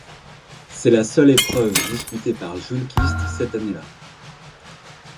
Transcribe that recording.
C'est la seule épreuve disputée par Ljungquist cette année-là.